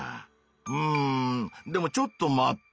うんでもちょっと待って。